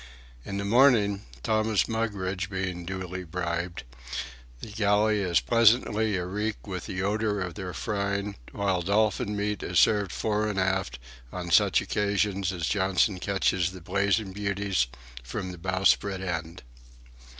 In the morning, Thomas Mugridge being duly bribed, the galley is pleasantly areek with the odour of their frying; while dolphin meat is served fore and aft on such occasions as Johnson catches the blazing beauties from the bowsprit end.